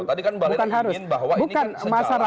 tadi kan mbak lena ingin bahwa ini kan sejarah